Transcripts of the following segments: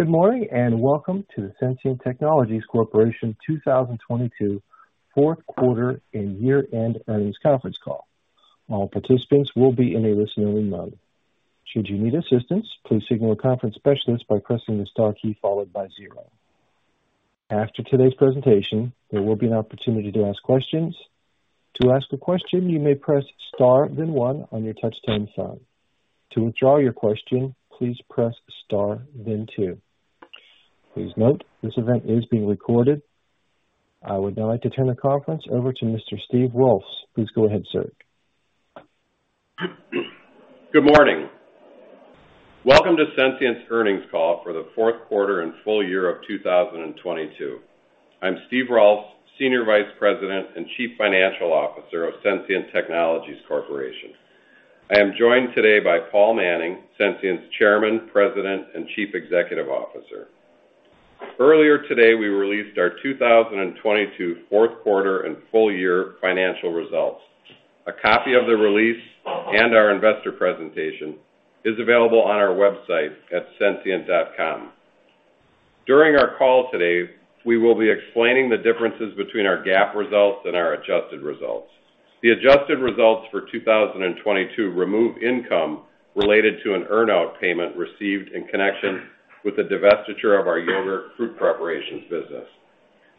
Good morning. Welcome to the Sensient Technologies Corporation 2022 fourth quarter and year-end earnings conference call. All participants will be in a listen-only mode. Should you need assistance, please signal a conference specialist by pressing the star key followed by zero. After today's presentation, there will be an opportunity to ask questions. To ask a question, you may press star then one on your touch-tone phone. To withdraw your question, please press star then two. Please note this event is being recorded. I would now like to turn the conference over to Mr. Steve Rolfs. Please go ahead, sir. Good morning. Welcome to Sensient's earnings call for the fourth quarter and full year of 2022. I'm Steve Rolfs, Senior Vice President and Chief Financial Officer of Sensient Technologies Corporation. I am joined today by Paul Manning, Sensient's Chairman, President, and Chief Executive Officer. Earlier today, we released our 2022 fourth quarter and full year financial results. A copy of the release and our investor presentation is available on our website at sensient.com. During our call today, we will be explaining the differences between our GAAP results and our adjusted results. The adjusted results for 2022 remove income related to an earn-out payment received in connection with the divestiture of our Yogurt Fruit Preparations business.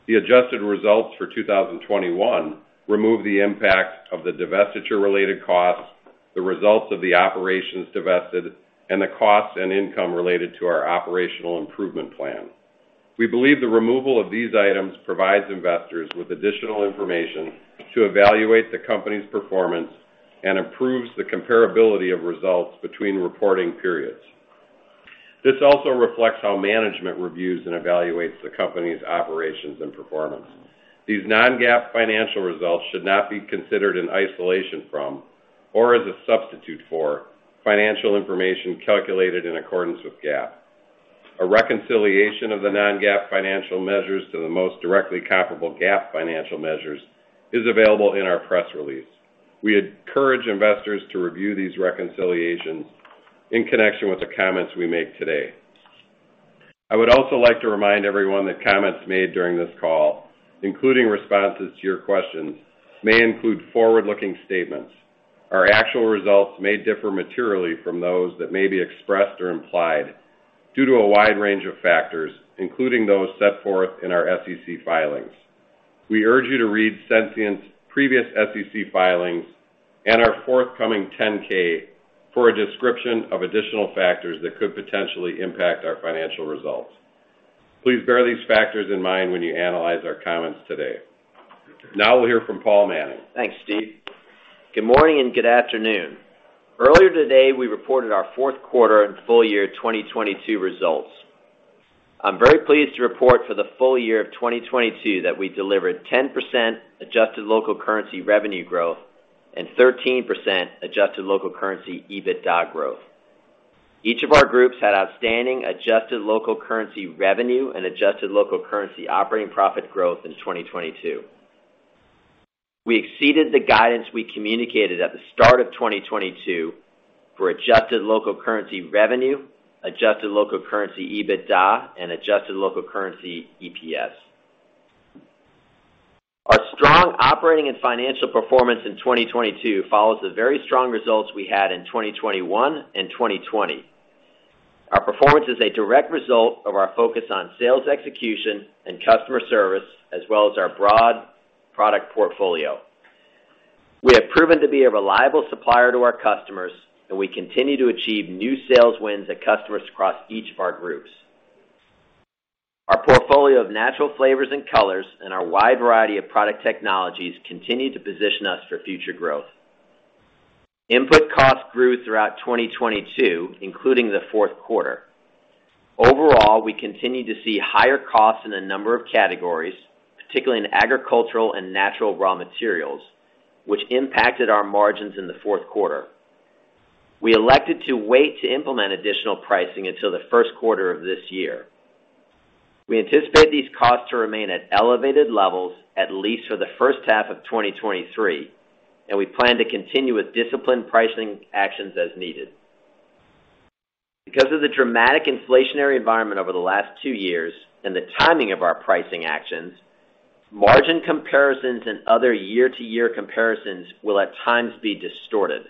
The adjusted results for 2021 remove the impact of the divestiture-related costs, the results of the operations divested, and the costs and income related to our operational improvement plan. We believe the removal of these items provides investors with additional information to evaluate the company's performance and improves the comparability of results between reporting periods. This also reflects how management reviews and evaluates the company's operations and performance. These non-GAAP financial results should not be considered in isolation from or as a substitute for financial information calculated in accordance with GAAP. A reconciliation of the non-GAAP financial measures to the most directly comparable GAAP financial measures is available in our press release. We encourage investors to review these reconciliations in connection with the comments we make today. I would also like to remind everyone that comments made during this call, including responses to your questions, may include forward-looking statements. Our actual results may differ materially from those that may be expressed or implied due to a wide range of factors, including those set forth in our SEC filings. We urge you to read Sensient's previous SEC filings and our forthcoming 10-K for a description of additional factors that could potentially impact our financial results. Please bear these factors in mind when you analyze our comments today. We'll hear from Paul Manning. Thanks, Steve. Good morning and good afternoon. Earlier today, we reported our fourth quarter and full year 2022 results. I'm very pleased to report for the full year of 2022 that we delivered 10% adjusted local currency revenue growth and 13% adjusted local currency EBITDA growth. Each of our groups had outstanding adjusted local currency revenue and adjusted local currency operating profit growth in 2022. We exceeded the guidance we communicated at the start of 2022 for adjusted local currency revenue, adjusted local currency EBITDA, and adjusted local currency EPS. Our strong operating and financial performance in 2022 follows the very strong results we had in 2021 and 2020. Our performance is a direct result of our focus on sales execution and customer service as well as our broad product portfolio. We have proven to be a reliable supplier to our customers, and we continue to achieve new sales wins at customers across each of our groups. Our portfolio of Natural Flavors and Colors and our wide variety of product technologies continue to position us for future growth. Input costs grew throughout 2022, including the fourth quarter. Overall, we continued to see higher costs in a number of categories, particularly in agricultural and natural raw materials, which impacted our margins in the fourth quarter. We elected to wait to implement additional pricing until the first quarter of this year. We anticipate these costs to remain at elevated levels at least for the first half of 2023, and we plan to continue with disciplined pricing actions as needed. Because of the dramatic inflationary environment over the last 2 years and the timing of our pricing actions, margin comparisons and other year-to-year comparisons will at times be distorted.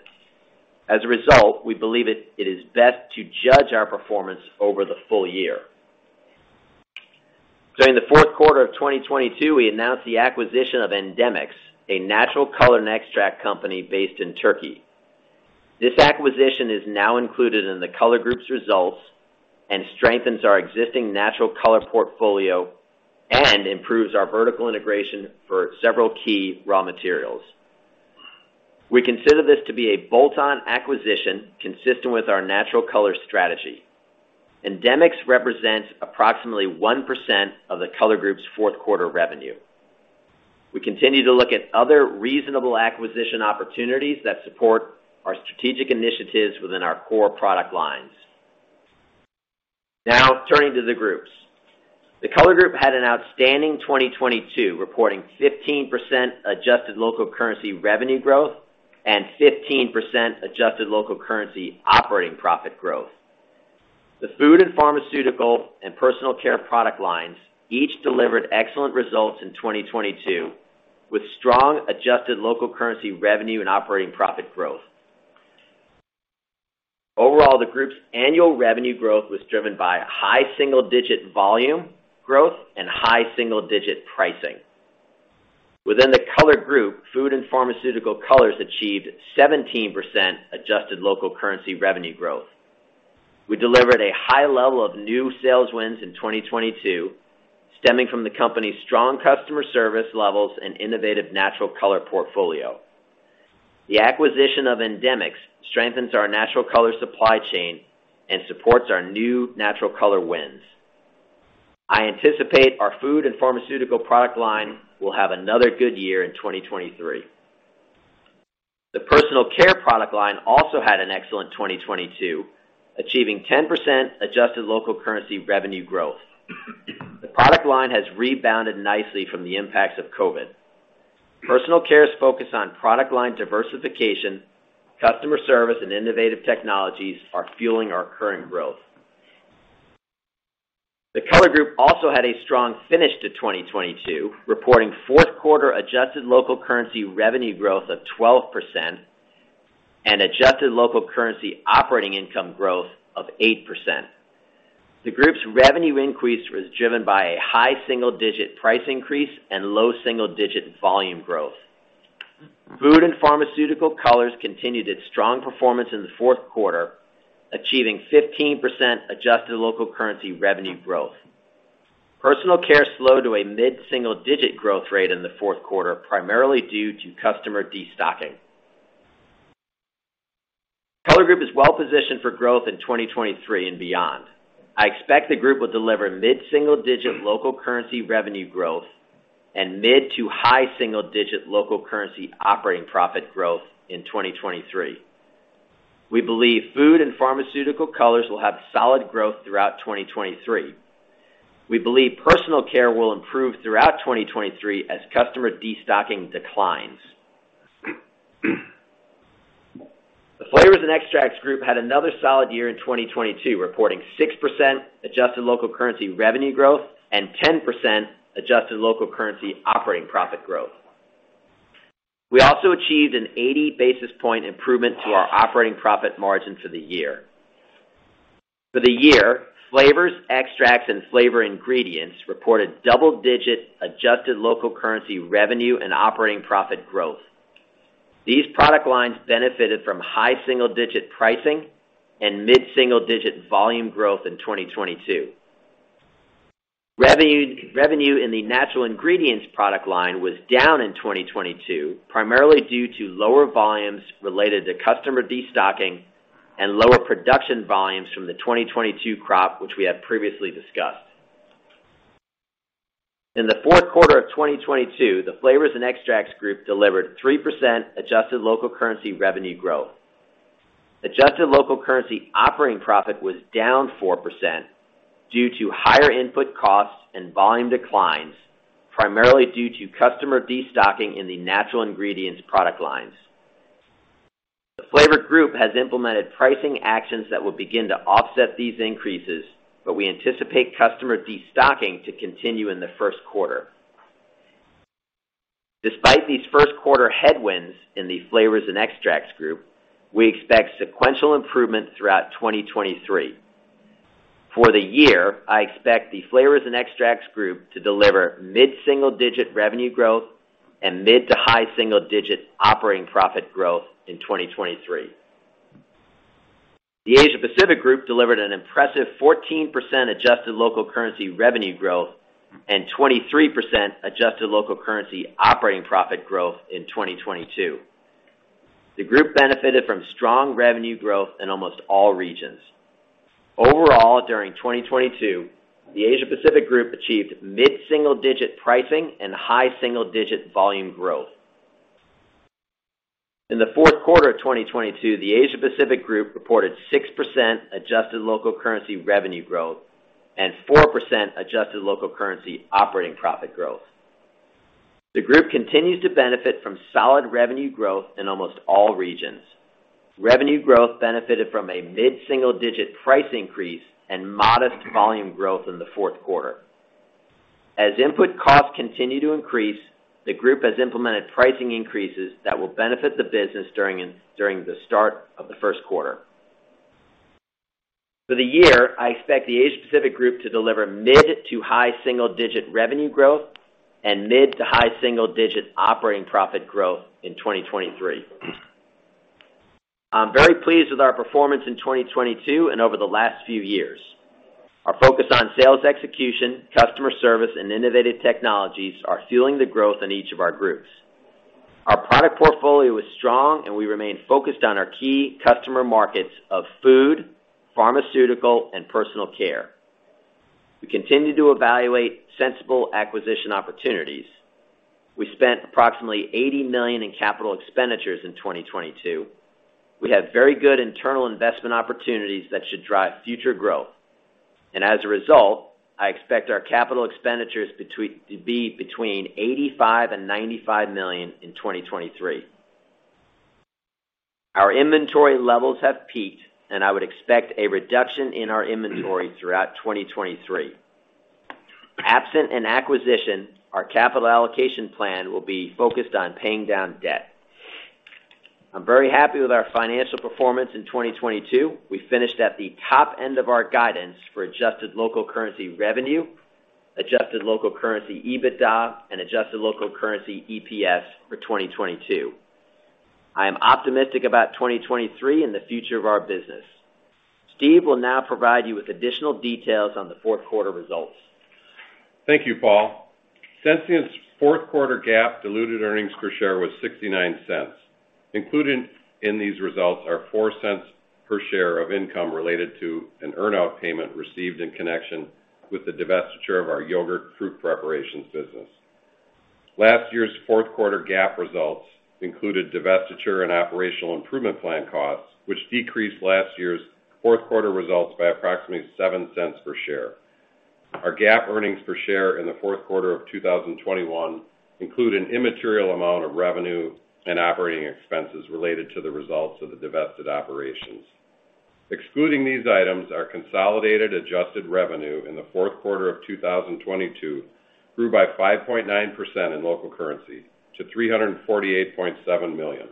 As a result, we believe it is best to judge our performance over the full year. During the fourth quarter of 2022, we announced the acquisition of Endemix, a natural color and extract company based in Turkey. This acquisition is now included in the Colors Group's results and strengthens our existing Natural Colors portfolio and improves our vertical integration for several key raw materials. We consider this to be a bolt-on acquisition consistent with our Natural Colors strategy. Endemix represents approximately 1% of the Colors Group's fourth quarter revenue. We continue to look at other reasonable acquisition opportunities that support our strategic initiatives within our core product lines. Now turning to the groups. The Colors Group had an outstanding 2022, reporting 15% adjusted local currency revenue growth and 15% adjusted local currency operating profit growth. The Food and Pharmaceutical and Personal Care product lines each delivered excellent results in 2022, with strong adjusted local currency revenue and operating profit growth. Overall, the group's annual revenue growth was driven by high single-digit volume growth and high single-digit pricing. Within the Colors Group, Food and Pharmaceutical Colors achieved 17% adjusted local currency revenue growth. We delivered a high level of new sales wins in 2022, stemming from the company's strong customer service levels and innovative Natural Colors portfolio. The acquisition of Endemix strengthens our Natural Colors supply chain and supports our new Natural Colors wins. I anticipate our Food and Pharmaceutical product line will have another good year in 2023. The Personal Care product line also had an excellent 2022, achieving 10% adjusted local currency revenue growth. The product line has rebounded nicely from the impacts of COVID. Personal Care's focus on product line diversification, customer service, and innovative technologies are fueling our current growth. The Colors Group also had a strong finish to 2022, reporting fourth quarter adjusted local currency revenue growth of 12% and adjusted local currency operating income growth of 8%. The group's revenue increase was driven by a high single-digit price increase and low single-digit volume growth. Food and Pharmaceutical Colors continued its strong performance in the fourth quarter, achieving 15% adjusted local currency revenue growth. Personal Care slowed to a mid-single digit growth rate in the fourth quarter, primarily due to customer destocking. Colors Group is well positioned for growth in 2023 and beyond. I expect the group will deliver mid-single digit local currency revenue growth and mid-to-high single-digit local currency operating profit growth in 2023. We believe Food and Pharmaceutical Colors will have solid growth throughout 2023. We believe Personal Care will improve throughout 2023 as customer destocking declines. The Flavors and Extracts Group had another solid year in 2022, reporting 6% adjusted local currency revenue growth and 10% adjusted local currency operating profit growth. We also achieved an 80 basis point improvement to our operating profit margin for the year. For the year, Flavors, Extracts, and flavor ingredients reported double-digit adjusted local currency revenue and operating profit growth. These product lines benefited from high single-digit pricing and mid-single digit volume growth in 2022. Revenue in the Natural Ingredients product line was down in 2022, primarily due to lower volumes related to customer destocking and lower production volumes from the 2022 crop, which we have previously discussed. In the fourth quarter of 2022, the Flavors and Extracts Group delivered 3% adjusted local currency revenue growth. Adjusted local currency operating profit was down 4% due to higher input costs and volume declines, primarily due to customer destocking in the Natural Ingredients product lines. The Flavors Group has implemented pricing actions that will begin to offset these increases, but we anticipate customer destocking to continue in the first quarter. Despite these first quarter headwinds in the Flavors and Extracts Group, we expect sequential improvement throughout 2023. For the year, I expect the Flavors and Extracts Group to deliver mid-single digit revenue growth and mid-to-high single digits operating profit growth in 2023. The Asia-Pacific Group delivered an impressive 14% adjusted local currency revenue growth and 23% adjusted local currency operating profit growth in 2022. The group benefited from strong revenue growth in almost all regions. Overall, during 2022, the Asia-Pacific Group achieved mid-single digit pricing and high single-digit volume growth. In the fourth quarter of 2022, the Asia-Pacific Group reported 6% adjusted local currency revenue growth and 4% adjusted local currency operating profit growth. The group continues to benefit from solid revenue growth in almost all regions. Revenue growth benefited from a mid-single digit price increase and modest volume growth in the fourth quarter. As input costs continue to increase, the group has implemented pricing increases that will benefit the business during the start of the first quarter. For the year, I expect the Asia-Pacific Group to deliver mid-to-high single-digit revenue growth and mid-to-high single-digit operating profit growth in 2023. I'm very pleased with our performance in 2022 and over the last few years. Our focus on sales execution, customer service, and innovative technologies are fueling the growth in each of our groups. Our product portfolio is strong, and we remain focused on our key customer markets of Food, Pharmaceutical, and Personal Care. We continue to evaluate sensible acquisition opportunities. We spent approximately $80 million in capital expenditures in 2022. We have very good internal investment opportunities that should drive future growth. As a result, I expect our capital expenditures to be between $85 million-$95 million in 2023. Our inventory levels have peaked, and I would expect a reduction in our inventory throughout 2023. Absent an acquisition, our capital allocation plan will be focused on paying down debt. I'm very happy with our financial performance in 2022. We finished at the top end of our guidance for adjusted local currency revenue, adjusted local currency EBITDA, and adjusted local currency EPS for 2022. I am optimistic about 2023 and the future of our business. Steve will now provide you with additional details on the fourth quarter results. Thank you, Paul. Sensient's fourth quarter GAAP diluted earnings per share was $0.69. Included in these results are $0.04 per share of income related to an earn-out payment received in connection with the divestiture of our Yogurt Fruit Preparations business. Last year's fourth quarter GAAP results included divestiture and operational improvement plan costs, which decreased last year's fourth quarter results by approximately $0.07 per share. Our GAAP earnings per share in the fourth quarter of 2021 include an immaterial amount of revenue and operating expenses related to the results of the divested operations. Excluding these items, our consolidated adjusted revenue in the fourth quarter of 2022 grew by 5.9% in local currency to $348.7 million.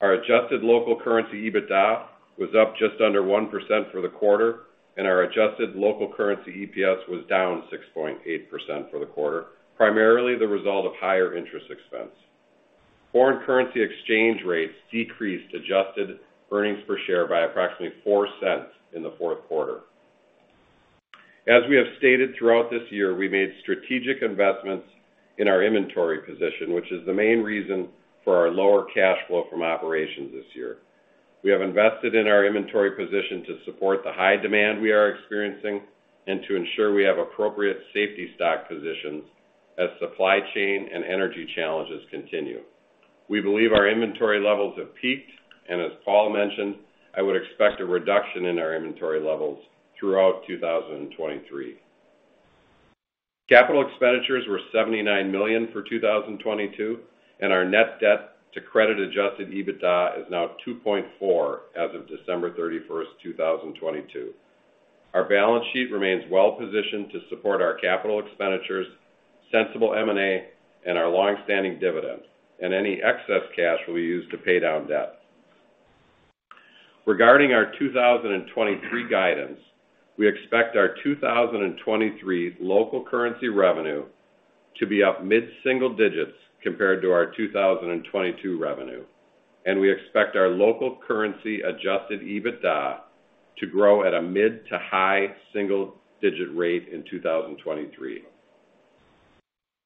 Our adjusted local currency EBITDA was up just under 1% for the quarter. Our adjusted local currency EPS was down 6.8% for the quarter, primarily the result of higher interest expense. Foreign currency exchange rates decreased adjusted earnings per share by approximately $0.04 in the fourth quarter. As we have stated throughout this year, we made strategic investments in our inventory position, which is the main reason for our lower cash flow from operations this year. We have invested in our inventory position to support the high demand we are experiencing and to ensure we have appropriate safety stock positions as supply chain and energy challenges continue. We believe our inventory levels have peaked, and as Paul mentioned, I would expect a reduction in our inventory levels throughout 2023. Capital expenditures were $79 million for 2022, and our net debt to credit-adjusted EBITDA is now 2.4x as of December 31st, 2022. Our balance sheet remains well positioned to support our capital expenditures, sensible M&A, and our long-standing dividend, and any excess cash will be used to pay down debt. Regarding our 2023 guidance, we expect our 2023 local currency revenue to be up mid-single digits compared to our 2022 revenue, and we expect our local currency adjusted EBITDA to grow at a mid to high single-digit rate in 2023.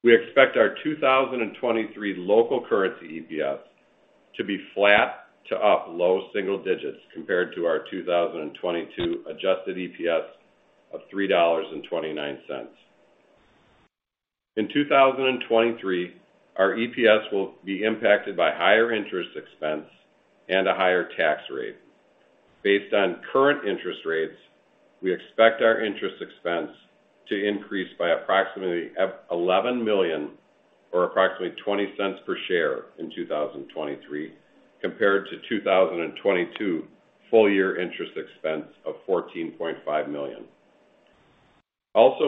We expect our 2023 local currency EPS to be flat to up low single digits compared to our 2022 adjusted EPS of $3.29. In 2023, our EPS will be impacted by higher interest expense and a higher tax rate. Based on current interest rates, we expect our interest expense to increase by approximately $11 million or approximately $0.20 per share in 2023 compared to 2022 full year interest expense of $14.5 million.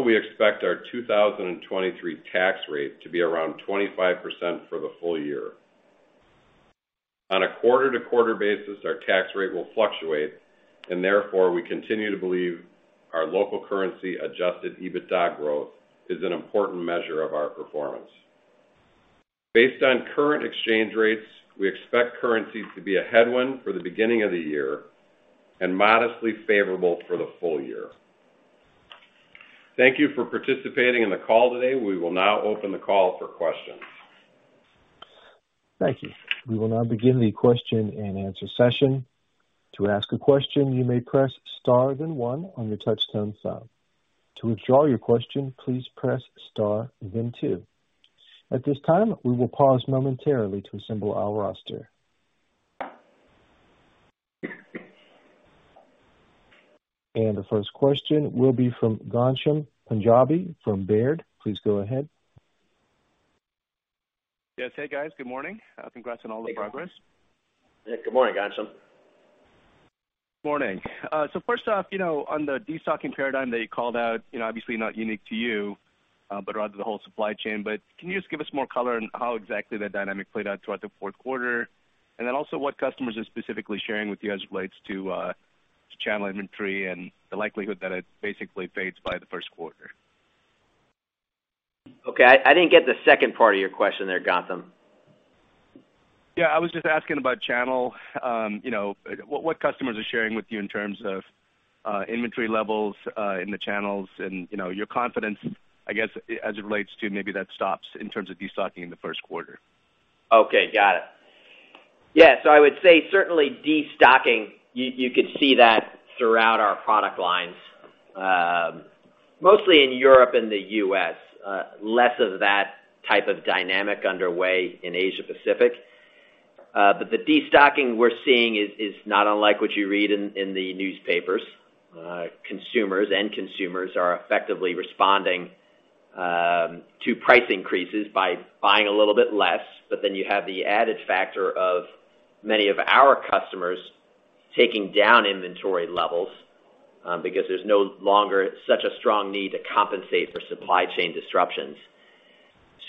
We expect our 2023 tax rate to be around 25% for the full year. On a quarter-over-quarter basis, our tax rate will fluctuate and therefore, we continue to believe our local currency adjusted EBITDA growth is an important measure of our performance. Based on current exchange rates, we expect currencies to be a headwind for the beginning of the year and modestly favorable for the full year. Thank you for participating in the call today. We will now open the call for questions. Thank you. We will now begin the question-and-answer session. To ask a question, you may press star then one on your touch-tone phone. To withdraw your question, please press star then two. At this time, we will pause momentarily to assemble our roster. The first question will be from Ghansham Panjabi from Baird. Please go ahead. Yes. Hey, guys. Good morning. Congrats on all the progress. Good morning, Ghansham. Morning. First off, you know, on the destocking paradigm that you called out, you know, obviously not unique to you, but rather the whole supply chain. Can you just give us more color on how exactly that dynamic played out throughout the fourth quarter? Also what customers are specifically sharing with you as it relates to channel inventory and the likelihood that it basically fades by the first quarter. Okay. I didn't get the second part of your question there, Ghansham. I was just asking about channel, you know, what customers are sharing with you in terms of inventory levels in the channels and, you know, your confidence, I guess, as it relates to maybe that stops in terms of destocking in the first quarter? Okay, got it. Yeah. I would say certainly destocking, you could see that throughout our product lines, mostly in Europe and the U.S., less of that type of dynamic underway in Asia-Pacific. The destocking we're seeing is not unlike what you read in the newspapers. Consumers, end consumers are effectively responding to price increases by buying a little bit less. You have the added factor of many of our customers taking down inventory levels because there's no longer such a strong need to compensate for supply chain disruptions.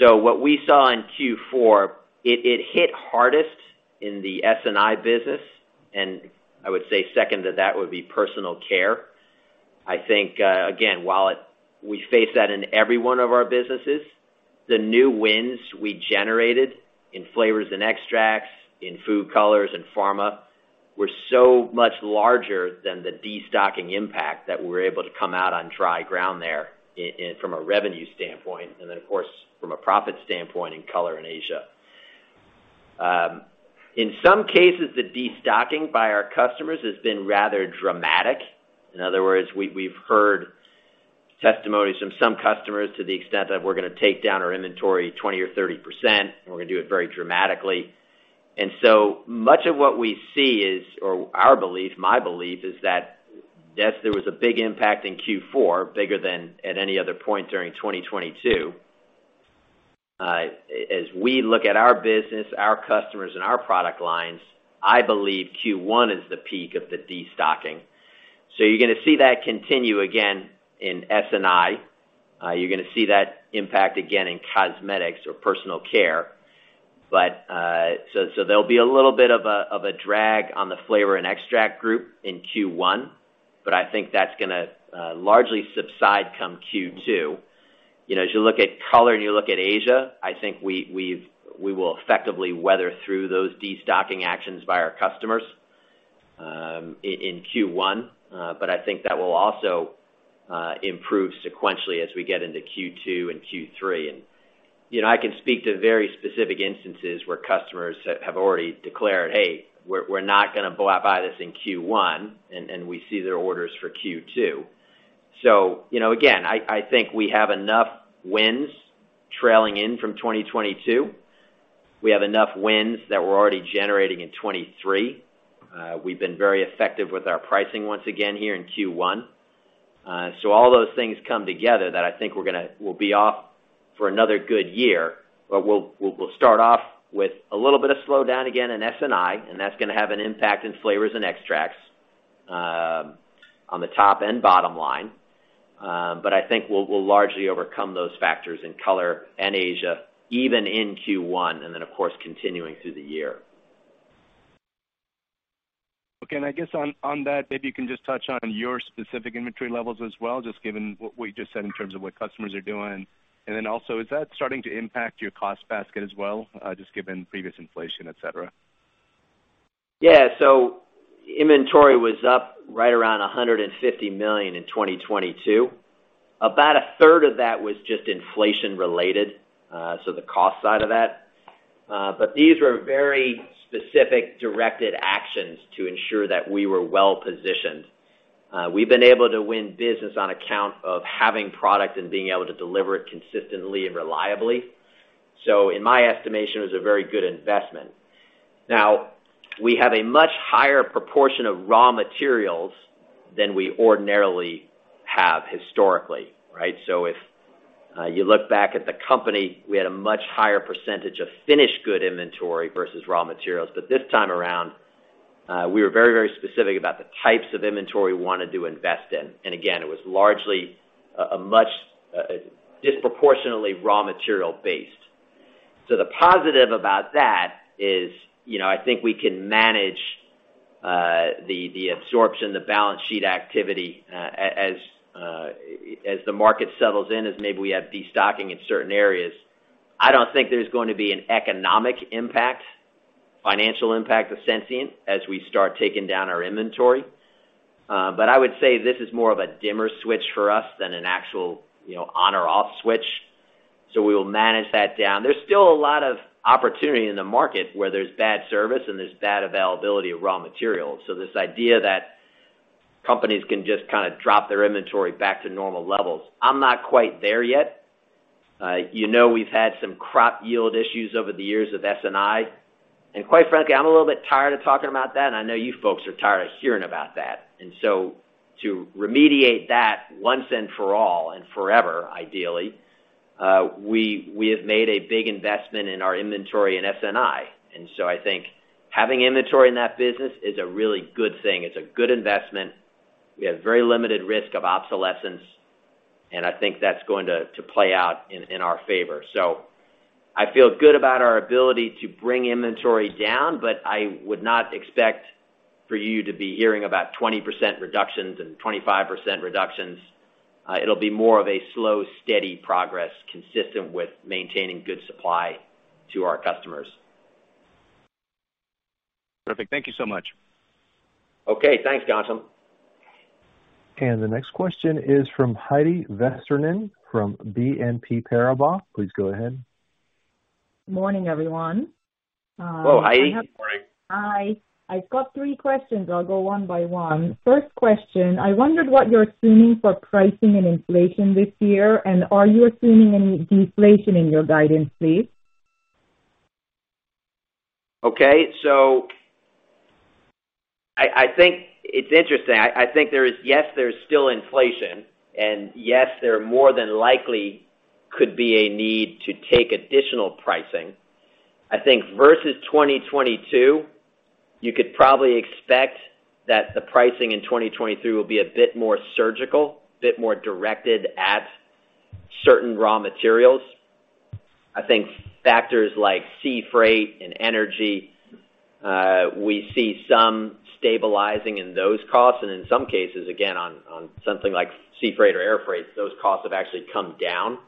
What we saw in Q4, it hit hardest in the SNI business, and I would say second to that would be Personal Care. I think, again, while we face that in every one of our businesses, the new wins we generated in Flavors and Extracts, in Food Colors and Pharma were so much larger than the destocking impact that we were able to come out on dry ground there from a revenue standpoint and then, of course, from a profit standpoint in Colors and Asia. In some cases, the destocking by our customers has been rather dramatic. In other words, we've heard testimonies from some customers to the extent that we're gonna take down our inventory 20% or 30%, and we're gonna do it very dramatically. So much of what we see is, or our belief, my belief is that, yes, there was a big impact in Q4, bigger than at any other point during 2022. As we look at our business, our customers, and our product lines, I believe Q1 is the peak of the destocking. You're gonna see that continue again in SNI. You're gonna see that impact again in cosmetics or Personal Care. So there'll be a little bit of a drag on the Flavors and Extracts Group in Q1, but I think that's gonna largely subside come Q2. You know, as you look at Colors and you look at Asia, I think we will effectively weather through those destocking actions by our customers in Q1. But I think that will also improve sequentially as we get into Q2 and Q3. You know, I can speak to very specific instances where customers have already declared, "Hey, we're not gonna buy this in Q1," and we see their orders for Q2. You know, again, I think we have enough wins trailing in from 2022. We have enough wins that we're already generating in 2023. We've been very effective with our pricing once again here in Q1. All those things come together that I think we'll be off for another good year. We'll start off with a little bit of slowdown again in SNI, and that's gonna have an impact in Flavors and Extracts on the top and bottom line. I think we'll largely overcome those factors in Colors and Asia, even in Q1, and then, of course, continuing through the year. Okay. I guess on that, maybe you can just touch on your specific inventory levels as well, just given what we just said in terms of what customers are doing. Then also, is that starting to impact your cost basket as well, just given previous inflation, etc.? Inventory was up right around $150 million in 2022. About a third of that was just inflation related, so the cost side of that. These were very specific directed actions to ensure that we were well positioned. We've been able to win business on account of having product and being able to deliver it consistently and reliably. In my estimation, it was a very good investment. Now, we have a much higher proportion of raw materials than we ordinarily have historically, right? If you look back at the company, we had a much higher percentage of finished good inventory versus raw materials. This time around, we were very, very specific about the types of inventory we wanted to invest in. Again, it was largely a much, disproportionately raw material based. The positive about that is, you know, I think we can manage the absorption, the balance sheet activity, as the market settles in, as maybe we have destocking in certain areas. I don't think there's going to be an economic impact, financial impact of Sensient as we start taking down our inventory. But I would say this is more of a dimmer switch for us than an actual, you know, on or off switch. We will manage that down. There's still a lot of opportunity in the market where there's bad service and there's bad availability of raw materials. This idea that companies can just kind of drop their inventory back to normal levels, I'm not quite there yet. You know, we've had some crop yield issues over the years with SNI. Quite frankly, I'm a little bit tired of talking about that, and I know you folks are tired of hearing about that. To remediate that once and for all and forever, ideally, we have made a big investment in our inventory in SNI. I think having inventory in that business is a really good thing. It's a good investment. We have very limited risk of obsolescence, and I think that's going to play out in our favor. I feel good about our ability to bring inventory down, but I would not expect for you to be hearing about 20% reductions and 25% reductions. It'll be more of a slow, steady progress consistent with maintaining good supply to our customers. Perfect. Thank you so much. Okay. Thanks, Ghansham. The next question is from Heidi Vesterinen from BNP Paribas. Please go ahead. Morning, everyone. Hello, Heidi. Good morning. Hi. I've got three questions. I'll go one by one. First question, I wondered what you're assuming for pricing and inflation this year, and are you assuming any deflation in your guidance, please? I think it's interesting. I think there is yes, there's still inflation, and yes, there more than likely could be a need to take additional pricing. I think versus 2022, you could probably expect that the pricing in 2022 will be a bit more surgical, a bit more directed at certain raw materials. I think factors like sea freight and energy, we see some stabilizing in those costs. In some cases, again, on something like sea freight or air freight, those costs have actually come down.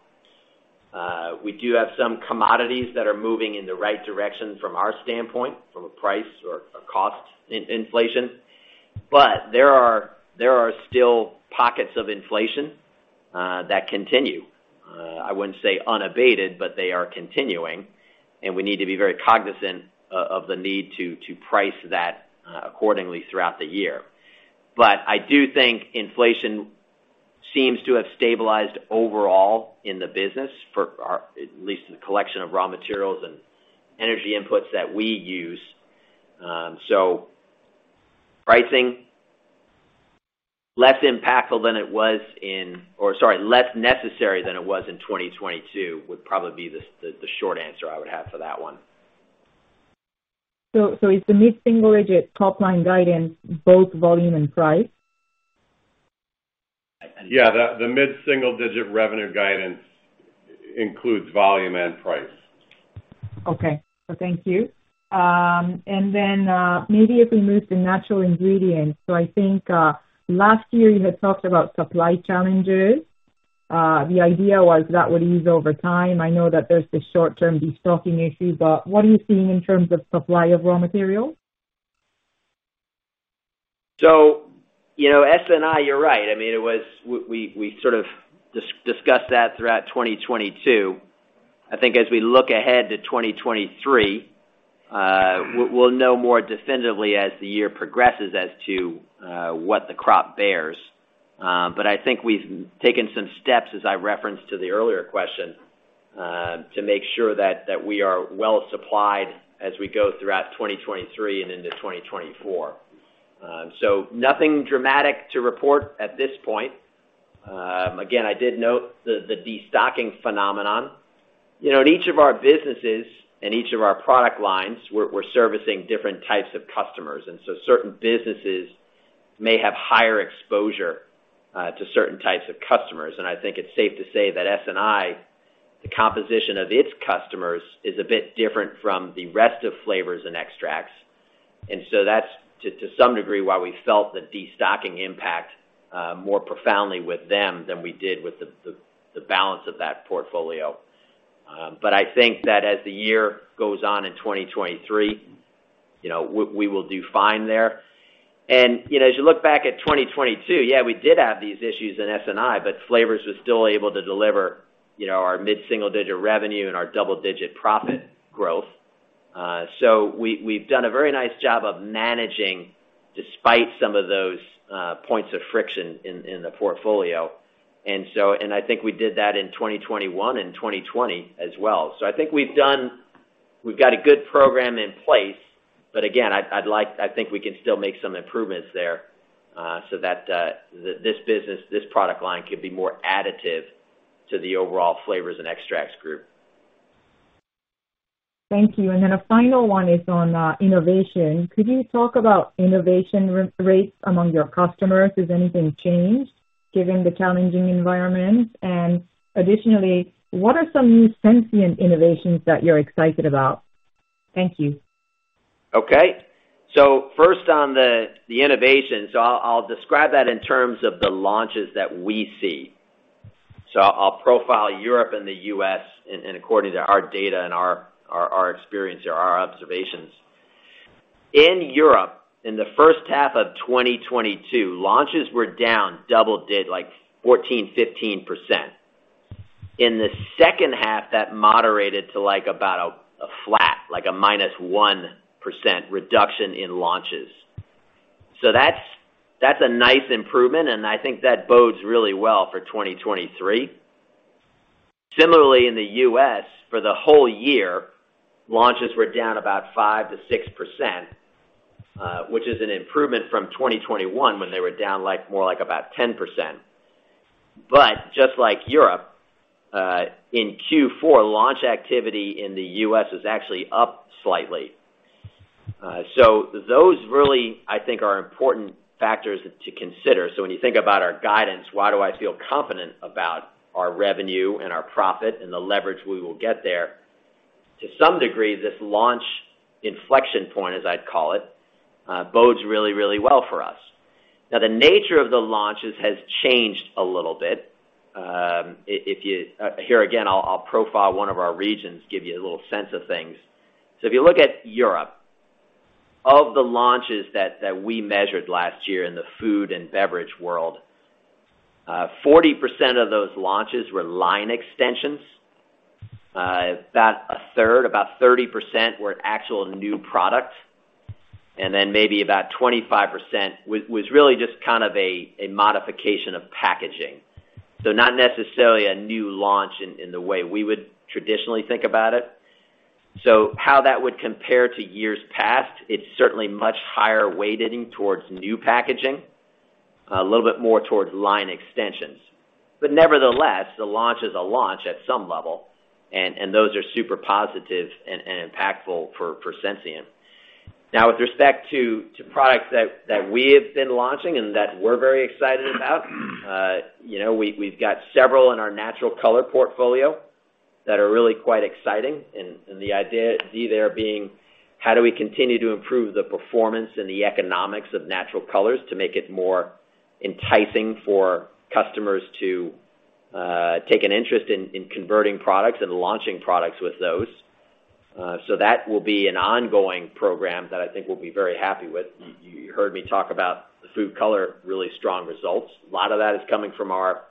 We do have some commodities that are moving in the right direction from our standpoint, from a price or a cost in-inflation. There are still pockets of inflation that continue. I wouldn't say unabated, but they are continuing, and we need to be very cognizant of the need to price that accordingly throughout the year. I do think inflation seems to have stabilized overall in the business for, or at least the collection of raw materials and energy inputs that we use. Pricing, less impactful than it was in, or sorry, less necessary than it was in 2022 would probably be the short answer I would have for that one. Is the mid-single-digit top-line guidance both volume and price? I. Yeah. The mid-single-digit revenue guidance includes volume and price. Okay. Thank you. Maybe if we move to Natural Ingredients. I think, last year you had talked about supply challenges. The idea was that would ease over time. I know that there's the short-term destocking issue, but what are you seeing in terms of supply of raw materials? You know, SNI, you're right. I mean, we sort of discussed that throughout 2022. I think as we look ahead to 2023, we'll know more definitively as the year progresses as to what the crop bears. I think we've taken some steps, as I referenced to the earlier question, to make sure that we are well supplied as we go throughout 2023 and into 2024. Nothing dramatic to report at this point. Again, I did note the destocking phenomenon. You know, in each of our businesses and each of our product lines, we're servicing different types of customers, certain businesses may have higher exposure to certain types of customers. I think it's safe to say that SNI, the composition of its customers is a bit different from the rest of Flavors and Extracts. That's to some degree, why we felt the destocking impact more profoundly with them than we did with the balance of that portfolio. I think that as the year goes on in 2023, you know, we will do fine there. You know, as you look back at 2022, yeah, we did have these issues in SNI, but Flavors was still able to deliver, you know, our mid-single-digit revenue and our double-digit profit growth. We've done a very nice job of managing despite some of those points of friction in the portfolio. I think we did that in 2021 and 2020 as well. I think we've got a good program in place. Again, I'd like, I think we can still make some improvements there, so that this business, this product line can be more additive to the overall Flavors and Extracts Group. Thank you. Then a final one is on innovation. Could you talk about innovation rates among your customers? Has anything changed given the challenging environment? Additionally, what are some new Sensient innovations that you're excited about? Thank you. Okay. First on the innovation. I'll describe that in terms of the launches that we see. I'll profile Europe and the U.S. according to our data and our experience or our observations. In Europe, in the first half of 2022, launches were down double digit, like 14%, 15%. In the second half, that moderated to, like, about a flat, like a -1% reduction in launches. That's a nice improvement, and I think that bodes really well for 2023. Similarly, in the U.S., for the whole year, launches were down about 5%-6%, which is an improvement from 2021 when they were down, like, more like about 10%. Just like Europe, in Q4, launch activity in the U.S. was actually up slightly. Those really, I think, are important factors to consider. When you think about our guidance, why do I feel confident about our revenue and our profit and the leverage we will get there? To some degree, this launch inflection point, as I'd call it, bodes really, really well for us. Now, the nature of the launches has changed a little bit. Here again, I'll profile one of our regions, give you a little sense of things. If you look at Europe, of the launches that we measured last year in the food and beverage world, 40% of those launches were line extensions. About a third, about 30% were actual new product, and then maybe about 25% was really just kind of a modification of packaging. Not necessarily a new launch in the way we would traditionally think about it. How that would compare to years past, it's certainly much higher weighting towards new packaging, a little bit more towards line extensions. Nevertheless, the launch is a launch at some level, and those are super positive and impactful for Sensient. With respect to products that we have been launching and that we're very excited about, you know, we've got several in our Natural Colors portfolio that are really quite exciting. The idea there being, how do we continue to improve the performance and the economics of Natural Colors to make it more enticing for customers to take an interest in converting products and launching products with those. That will be an ongoing program that I think we'll be very happy with. You heard me talk about the Food Colors, really strong results. A lot of that is coming from our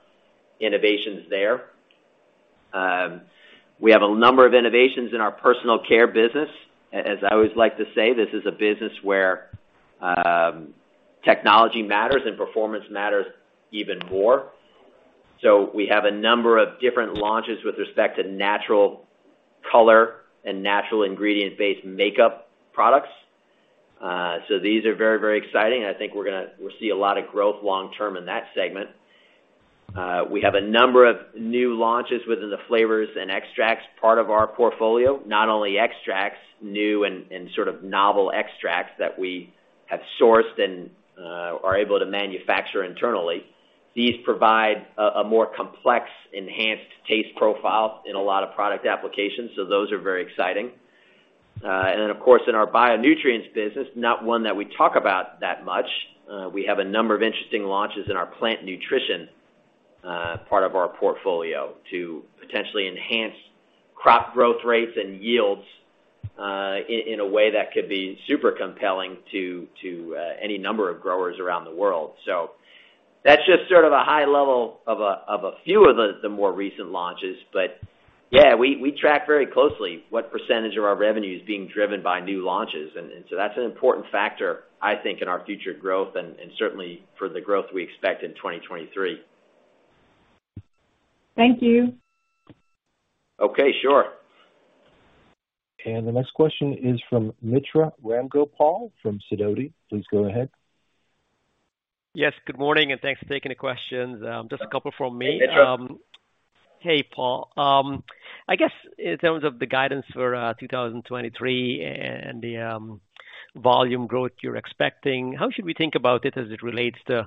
innovations there. We have a number of innovations in our Personal Care business. As I always like to say, this is a business where technology matters and performance matters even more. We have a number of different launches with respect to Natural Colors and Natural Ingredient-based makeup products. These are very exciting, and I think we'll see a lot of growth long term in that segment. We have a number of new launches within the Flavors and Extracts part of our portfolio. Not only Extracts, new and sort of novel Extracts that we have sourced and are able to manufacture internally. These provide a more complex, enhanced taste profile in a lot of product applications, so those are very exciting. Then of course, in our bio-nutrients business, not one that we talk about that much, we have a number of interesting launches in our plant nutrition, part of our portfolio to potentially enhance crop growth rates and yields, in a way that could be super compelling to any number of growers around the world. That's just sort of a high level of a few of the more recent launches. Yeah, we track very closely what percentage of our revenue is being driven by new launches. That's an important factor, I think, in our future growth and certainly for the growth we expect in 2023. Thank you. Okay, sure. The next question is from Mitra Ramgopal from Sidoti. Please go ahead. Yes, good morning, thanks for taking the questions. Just a couple from me. Hey, Mitra. Hey, Paul. I guess in terms of the guidance for 2023 and the volume growth you're expecting, how should we think about it as it relates to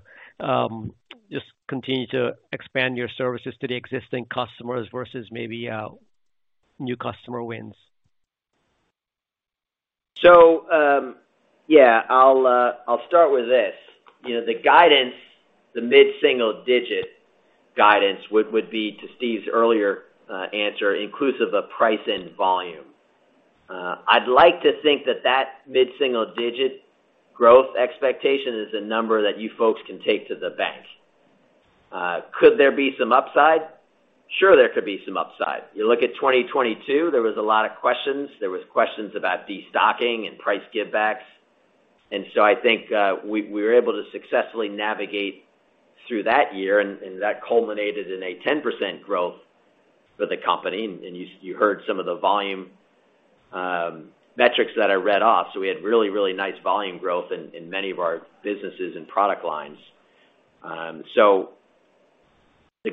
just continue to expand your services to the existing customers versus maybe new customer wins? Yeah, I'll start with this. You know, the guidance, the mid-single digit guidance would be to Steve's earlier answer, inclusive of price and volume. I'd like to think that that mid-single digit growth expectation is a number that you folks can take to the bank. Could there be some upside? Sure there could be some upside. You look at 2022, there was a lot of questions. There was questions about destocking and price give backs. I think, we were able to successfully navigate through that year, and that culminated in a 10% growth for the company. You heard some of the volume metrics that I read off. We had really nice volume growth in many of our businesses and product lines. The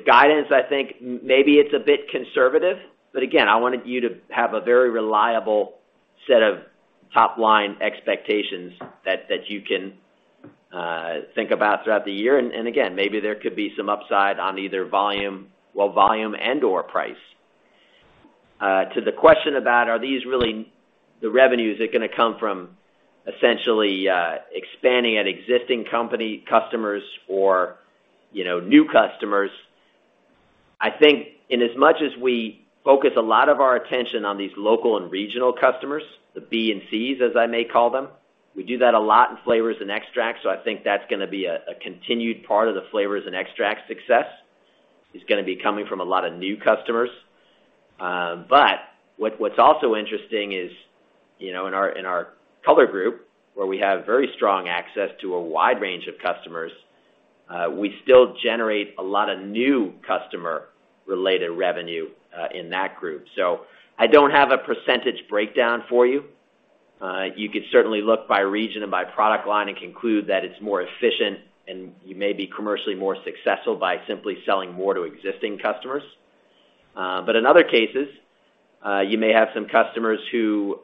guidance, I think maybe it's a bit conservative, but again, I wanted you to have a very reliable set of top-line expectations that you can think about throughout the year. Again, maybe there could be some upside on either volume. Well, volume and/or price. To the question about are these really the revenues are gonna come from essentially expanding an existing company customers or, you know, new customers. I think in as much as we focus a lot of our attention on these local and regional customers, the B and Cs, as I may call them, we do that a lot in Flavors and Extracts, so I think that's gonna be a continued part of the Flavors and Extracts success, is gonna be coming from a lot of new customers. What, what's also interesting is, you know, in our, in our Colors Group, where we have very strong access to a wide range of customers, we still generate a lot of new customer related revenue in that group. I don't have a percentage breakdown for you. You could certainly look by region and by product line and conclude that it's more efficient and you may be commercially more successful by simply selling more to existing customers. In other cases, you may have some customers who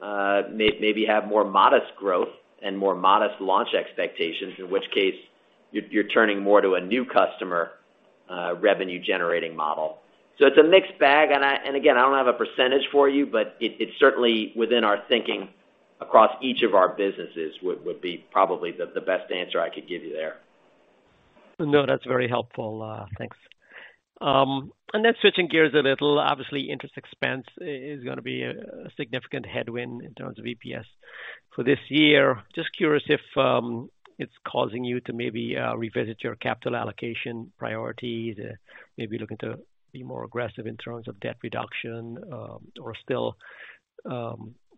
maybe have more modest growth and more modest launch expectations, in which case you're turning more to a new customer revenue generating model. It's a mixed bag, and again, I don't have a percentage for you, but it's certainly within our thinking across each of our businesses, would be probably the best answer I could give you there. No, that's very helpful. Thanks. Then switching gears a little, obviously, interest expense is gonna be a significant headwind in terms of EPS for this year. Just curious if it's causing you to maybe revisit your capital allocation priorities, maybe looking to be more aggressive in terms of debt reduction, or still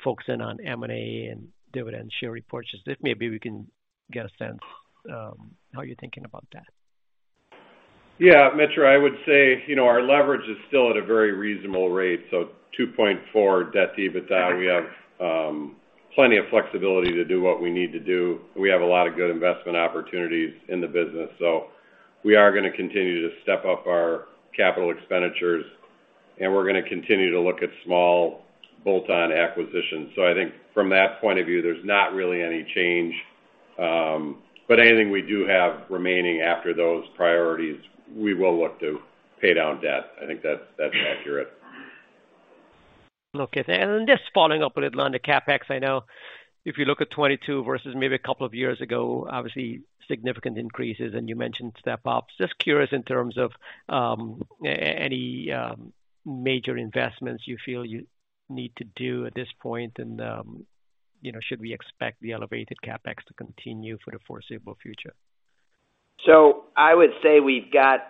focusing on M&A and dividend share repurchase. If maybe we can get a sense how you're thinking about that. Yeah, Mitra, I would say, you know, our leverage is still at a very reasonable rate. 2.4x debt-to-EBITDA. We have plenty of flexibility to do what we need to do. We have a lot of good investment opportunities in the business. We are gonna continue to step up our capital expenditures, and we're gonna continue to look at small bolt-on acquisitions. I think from that point of view, there's not really any change. Anything we do have remaining after those priorities, we will look to pay down debt. I think that's accurate. Okay. Just following up a little on the CapEx, I know if you look at 2022 versus maybe a couple of years ago, obviously significant increases, and you mentioned step-ups. Just curious in terms of any major investments you feel you need to do at this point. You know, should we expect the elevated CapEx to continue for the foreseeable future? I would say we've got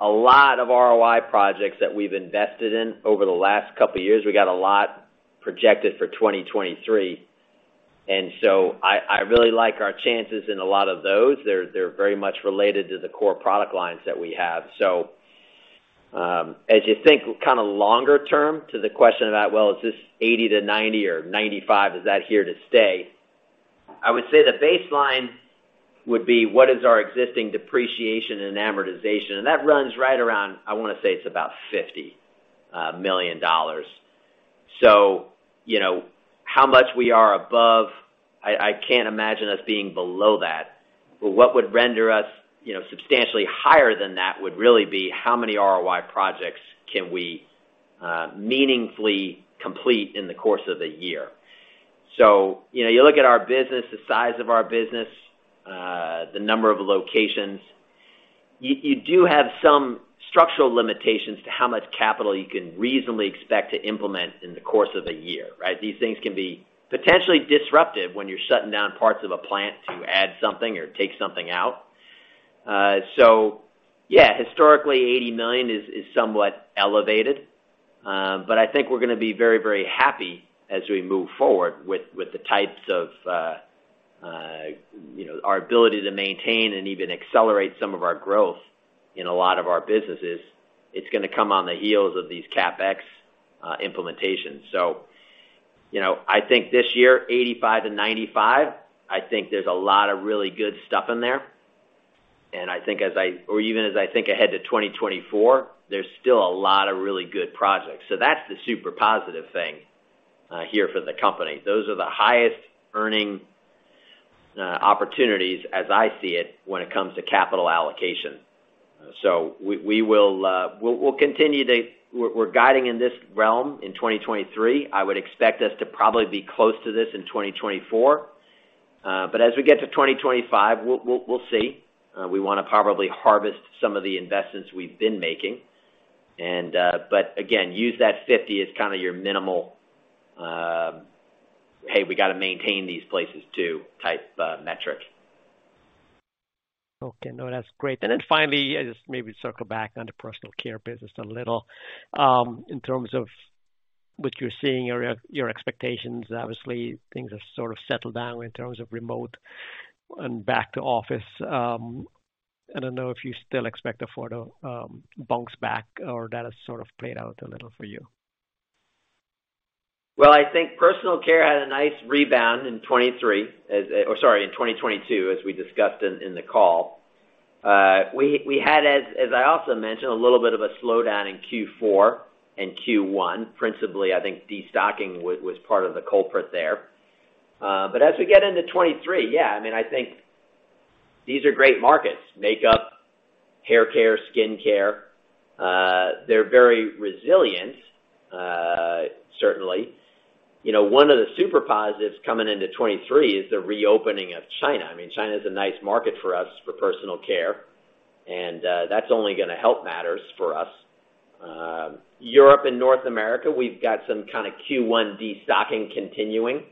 a lot of ROI projects that we've invested in over the last couple years. We got a lot projected for 2023. I really like our chances in a lot of those. They're very much related to the core product lines that we have. As you think kind of longer term to the question about, well, is this $80 million-$90 million or $95 million, is that here to stay? I would say the baseline would be what is our existing depreciation and amortization. That runs right around, I want to say it's about $50 million. You know, how much we are above, I can't imagine us being below that. What would render us, you know, substantially higher than that would really be how many ROI projects can we meaningfully complete in the course of the year. You know, you look at our business, the size of our business, the number of locations, you do have some structural limitations to how much capital you can reasonably expect to implement in the course of a year, right? These things can be potentially disruptive when you're shutting down parts of a plant to add something or take something out. Yeah, historically, $80 million is somewhat elevated. I think we're gonna be very, very happy as we move forward with the types of, you know, our ability to maintain and even accelerate some of our growth in a lot of our businesses. It's gonna come on the heels of these CapEx implementations. You know, I think this year, $85 million-$95 million, I think there's a lot of really good stuff in there. I think as I think ahead to 2024, there's still a lot of really good projects. That's the super positive thing here for the company. Those are the highest earning opportunities as I see it when it comes to capital allocation. We're guiding in this realm in 2023. I would expect us to probably be close to this in 2024. As we get to 2025, we'll see. We wanna probably harvest some of the investments we've been making. Again, use that $50 million as kinda your minimal, hey, we gotta maintain these places too, type metric. Okay. No, that's great. Finally, just maybe circle back on the Personal Care business a little. In terms of what you're seeing or your expectations. Obviously, things have sort of settled down in terms of remote and back to office. I don't know if you still expect a further bounce back or that has sort of played out a little for you. Well, I think Personal Care had a nice rebound in 2022, as we discussed in the call. We had, as I also mentioned, a little bit of a slowdown in Q4 and Q1. Principally, I think destocking was part of the culprit there. As we get into 2023, yeah, I mean, I think these are great markets. Makeup, hair care, skin care. They're very resilient, certainly. You know, one of the super positives coming into 2023 is the reopening of China. I mean, China is a nice market for us for Personal Care, that's only gonna help matters for us. Europe and North America, we've got some kinda Q1 destocking continuing.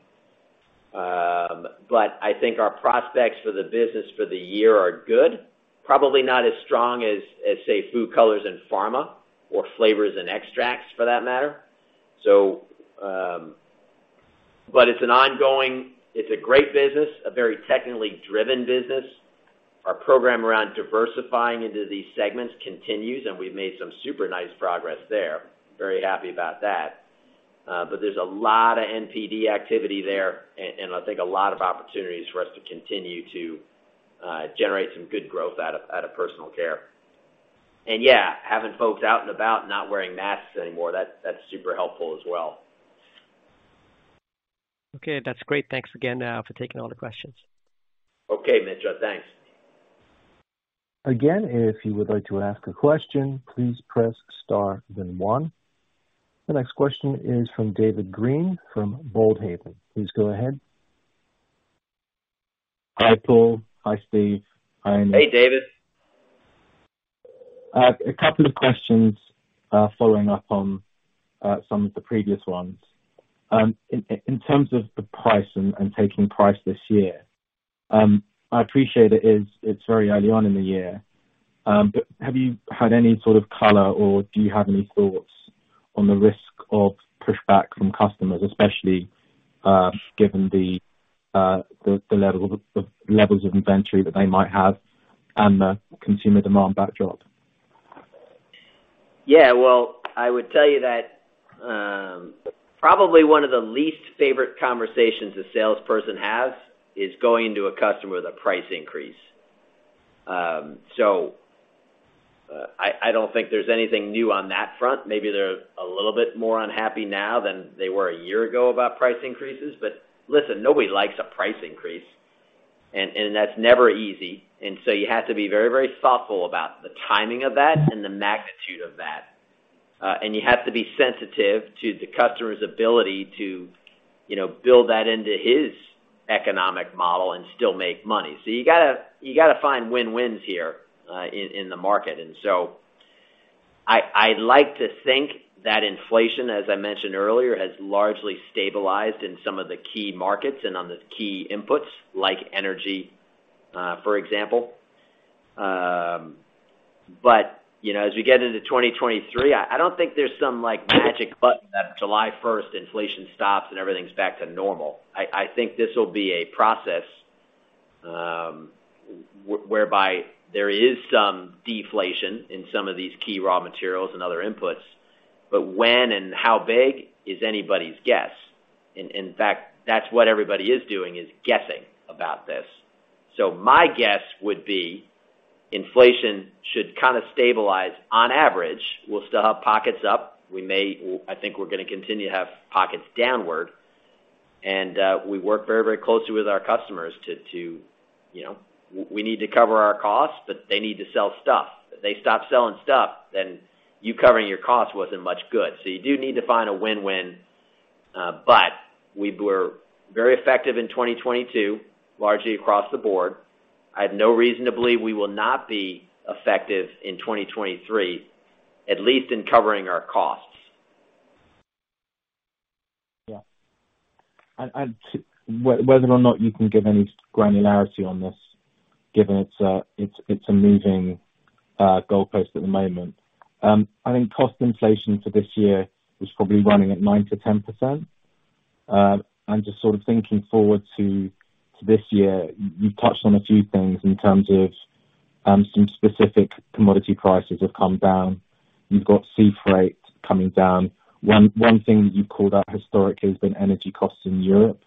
I think our prospects for the business for the year are good. Probably not as strong as say, Food Colors and Pharma or Flavors and Extracts for that matter. It's a great business, a very technically driven business. Our program around diversifying into these segments continues, and we've made some super nice progress there. Very happy about that. There's a lot of NPD activity there and I think a lot of opportunities for us to continue to generate some good growth out of Personal Care. Yeah, having folks out and about not wearing masks anymore, that's super helpful as well. Okay, that's great. Thanks again, for taking all the questions. Okay, Mitra. Thanks. Again, if you would like to ask a question, please press star then one. The next question is from David Green from Boldhaven. Please go ahead. Hi, Paul. Hi, Steve. Hi. Hey, David. A couple of questions, following up on some of the previous ones. In terms of the price and taking price this year, I appreciate it's very early on in the year, have you had any sort of color or do you have any thoughts on the risk of pushback from customers, especially given the levels of inventory that they might have and the consumer demand backdrop? Yeah. Well, I would tell you that, probably one of the least favorite conversations a salesperson has is going to a customer with a price increase. I don't think there's anything new on that front. Maybe they're a little bit more unhappy now than they were a year ago about price increases. Nobody likes a price increase, and that's never easy. You have to be very, very thoughtful about the timing of that and the magnitude of that. You have to be sensitive to the customer's ability to, you know, build that into his economic model and still make money. You gotta find win-wins here, in the market. I'd like to think that inflation, as I mentioned earlier, has largely stabilized in some of the key markets and on the key inputs like energy, for example. You know, as we get into 2023, I don't think there's some, like, magic button that July 1st inflation stops and everything's back to normal. I think this will be a process whereby there is some deflation in some of these key raw materials and other inputs, but when and how big is anybody's guess. In fact, that's what everybody is doing, is guessing about this. My guess would be inflation should kind of stabilize on average. We'll still have pockets up. I think we're gonna continue to have pockets downward. We work very, very closely with our customers to, you know, we need to cover our costs, they need to sell stuff. If they stop selling stuff, you covering your costs wasn't much good. You do need to find a win-win, we were very effective in 2022, largely across the board. I have no reason to believe we will not be effective in 2023, at least in covering our costs. Yeah. Whether or not you can give any granularity on this, given it's a moving goalpost at the moment. I think cost inflation for this year is probably running at 9%-10%. Just sort of thinking forward to this year, you touched on a few things in terms of some specific commodity prices have come down. You've got sea freight coming down. One thing that you called out historically has been energy costs in Europe,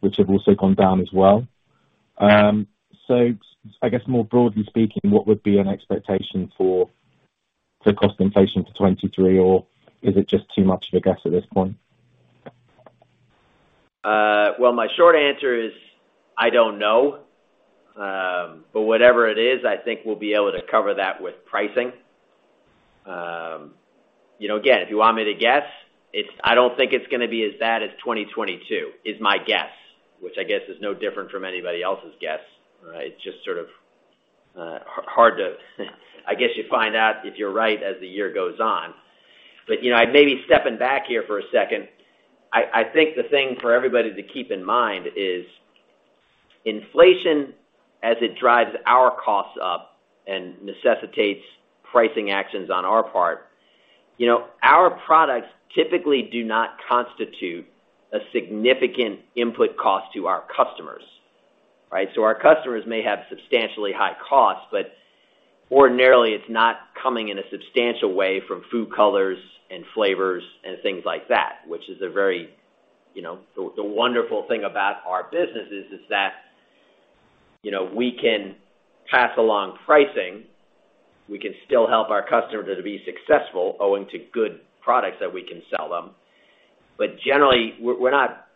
which have also gone down as well. So I guess more broadly speaking, what would be an expectation for the cost inflation for 2023, or is it just too much of a guess at this point? Well, my short answer is I don't know. Whatever it is, I think we'll be able to cover that with pricing. You know, again, if you want me to guess, I don't think it's gonna be as bad as 2022, is my guess, which I guess is no different from anybody else's guess, right? It's just sort of hard to. I guess you find out if you're right as the year goes on. You know, maybe stepping back here for a second, I think the thing for everybody to keep in mind is inflation, as it drives our costs up and necessitates pricing actions on our part, you know, our products typically do not constitute a significant input cost to our customers, right? Our customers may have substantially high costs, ordinarily it's not coming in a substantial way from Food Colors and Flavors and things like that, which is a very, you know, the wonderful thing about our business is that, you know, we can pass along pricing. We can still help our customer to be successful owing to good products that we can sell them. Generally, we're not.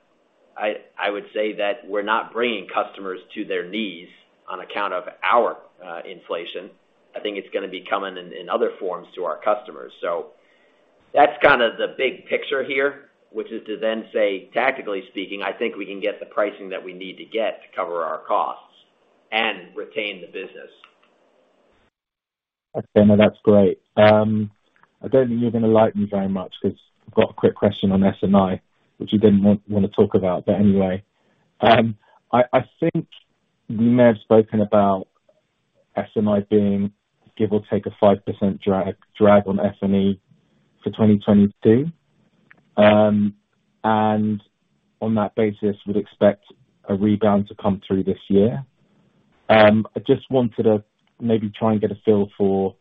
I would say that we're not bringing customers to their knees on account of our inflation. I think it's gonna be coming in other forms to our customers. That's kind of the big picture here, which is to then say, tactically speaking, I think we can get the pricing that we need to get to cover our costs and retain the business. Okay. No, that's great. I don't think you're gonna like me very much because I've got a quick question on SNI, which you didn't want, wanna talk about, anyway. I think you may have spoken about SNI being, give or take, a 5% drag on F&E for 2022. On that basis, we'd expect a rebound to come through this year. I just wanted to maybe try and get a feel for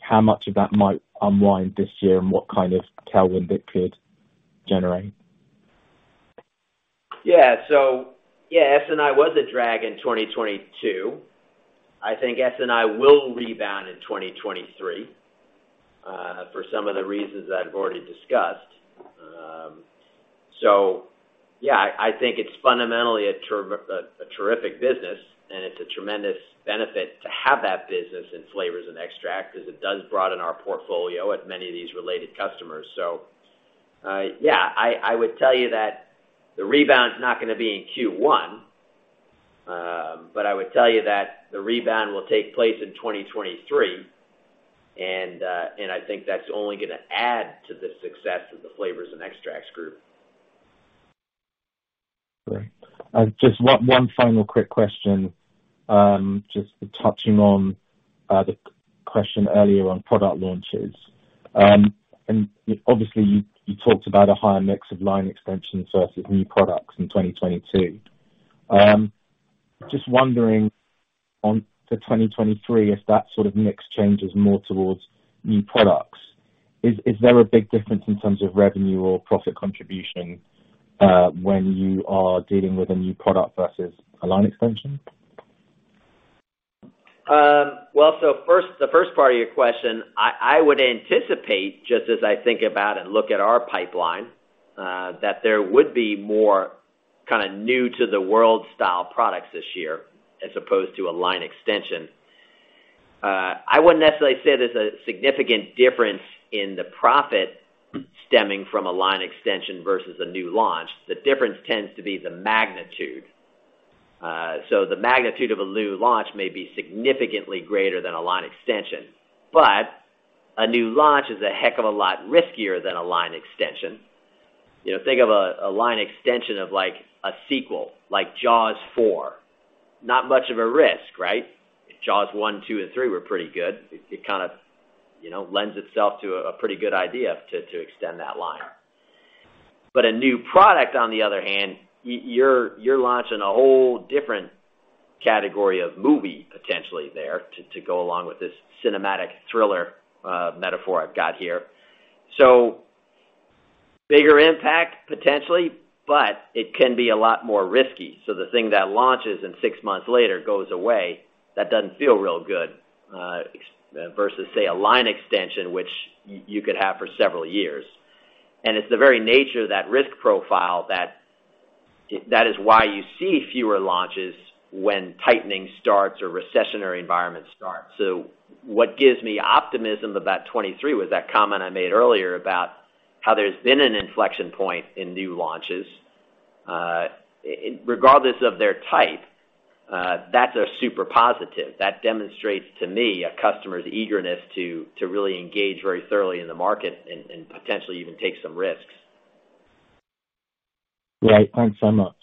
how much of that might unwind this year and what kind of tailwind it could generate. Yeah. Yeah, SNI was a drag in 2022. I think SNI will rebound in 2023 for some of the reasons I've already discussed. Yeah, I think it's fundamentally a terrific business, and it's a tremendous benefit to have that business in Flavors and Extracts because it does broaden our portfolio with many of these related customers. Yeah, I would tell you that the rebound's not gonna be in Q1. I would tell you that the rebound will take place in 2023, and I think that's only gonna add to the success of the Flavors and Extracts Group. Great. Just one final quick question. Just touching on the question earlier on product launches. Obviously, you talked about a higher mix of line extension versus new products in 2022. Just wondering on to 2023, if that sort of mix changes more towards new products, is there a big difference in terms of revenue or profit contribution, when you are dealing with a new product versus a line extension? Well, the first part of your question, I would anticipate, just as I think about and look at our pipeline, that there would be more kinda new to the world style products this year as opposed to a line extension. I wouldn't necessarily say there's a significant difference in the profit stemming from a line extension versus a new launch. The difference tends to be the magnitude. The magnitude of a new launch may be significantly greater than a line extension. A new launch is a heck of a lot riskier than a line extension. You know, think of a line extension of like a sequel, like Jaws 4. Not much of a risk, right? If Jaws 1, 2, and 3 were pretty good, it kinda, you know, lends itself to a pretty good idea to extend that line. A new product, on the other hand, you're launching a whole different category of movie potentially there to go along with this cinematic thriller metaphor I've got here. Bigger impact potentially, but it can be a lot more risky. The thing that launches and 6 months later goes away, that doesn't feel real good versus, say, a line extension, which you could have for several years. It's the very nature of that risk profile that is why you see fewer launches when tightening starts or recessionary environments start. What gives me optimism about 2023 was that comment I made earlier about how there's been an inflection point in new launches. Regardless of their type, that's a super positive. That demonstrates to me a customer's eagerness to really engage very thoroughly in the market and potentially even take some risks. Right. Thanks so much.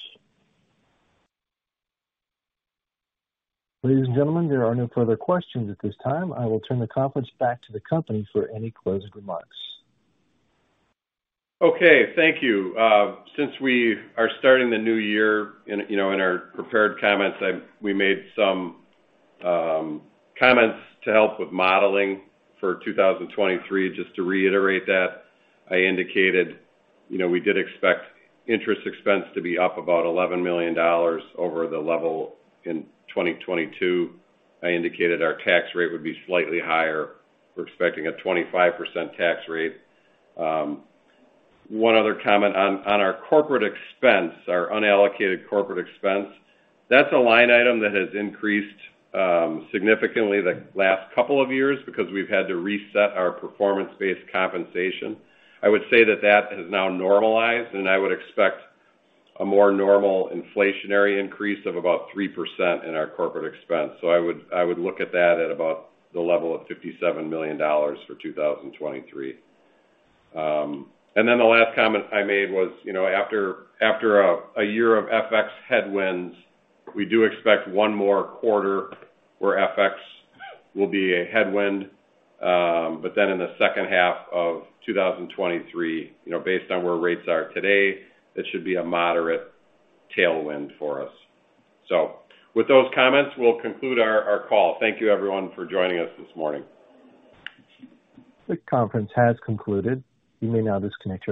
Ladies and gentlemen, there are no further questions at this time. I will turn the conference back to the company for any closing remarks. Okay. Thank you. Since we are starting the new year, you know, in our prepared comments, we made some comments to help with modeling for 2023. Just to reiterate that, I indicated, you know, we did expect interest expense to be up about $11 million over the level in 2022. I indicated our tax rate would be slightly higher. We're expecting a 25% tax rate. One other comment on our corporate expense, our unallocated corporate expense. That's a line item that has increased significantly the last couple of years because we've had to reset our performance-based compensation. I would say that that has now normalized. I would expect a more normal inflationary increase of about 3% in our corporate expense. I would look at that at about the level of $57 million for 2023. The last comment I made was, you know, after a year of FX headwinds, we do expect one more quarter where FX will be a headwind. In the second half of 2023, you know, based on where rates are today, it should be a moderate tailwind for us. With those comments, we'll conclude our call. Thank you everyone for joining us this morning. This conference has concluded. You may now disconnect your lines.